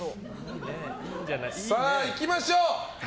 さあ、行きましょう！